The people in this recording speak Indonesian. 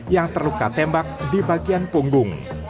yang terluka tembak di bagian punggung